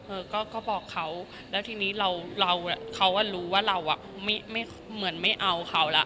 เออก็ก็บอกเขาแล้วทีนี้เราเราเขาอ่ะรู้ว่าเราอ่ะไม่เหมือนไม่เอาเขาล่ะ